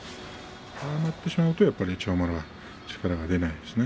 ああなってしまうと千代丸は力が出ないですね。